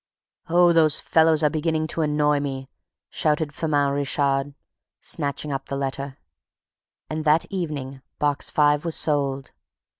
"Oh, those fellows are beginning to annoy me!" shouted Firmin Richard, snatching up the letter. And that evening Box Five was sold.